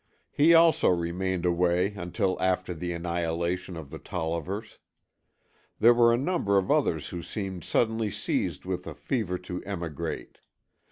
He also remained away until after the annihilation of the Tollivers. There were a number of others who seemed suddenly seized with a fever to emigrate.